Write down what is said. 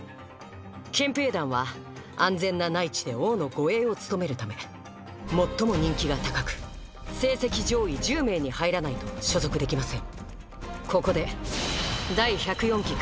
「憲兵団」は安全な内地で王の護衛を務めるため最も人気が高く成績上位１０名に入らないと所属できません。